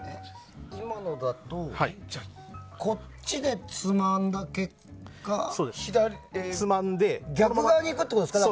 今のだとこっちでつまんだ結果逆側に行くってことですか？